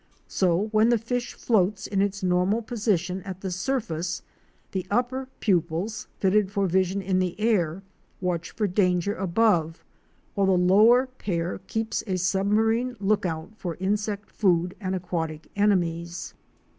So when the fish floats in its normal position at the surface the upper pupils, fitted for vision in the air, watch for danger above, while the lower pair keeps a submarine lookout for insect food and aquatic enemies. 20 OUR SEARCH FOR A WILDERNESS.